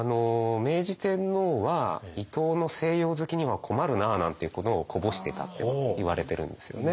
明治天皇は「伊藤の西洋好きには困るな」なんていうことをこぼしてたっていわれてるんですよね。